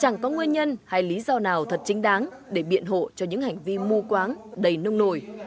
nguyên nhân hay lý do nào thật chính đáng để biện hộ cho những hành vi mu quán đầy nông nổi